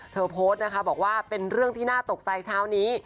โพสต์นะคะบอกว่าเป็นเรื่องที่น่าตกใจเช้านี้